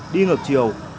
đi ngược chiều